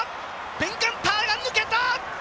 ベン・ガンターが抜けた！